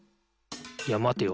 いやまてよ。